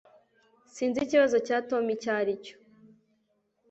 Sinzi ikibazo cya Tom icyo aricyo.